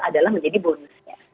adalah menjadi bonusnya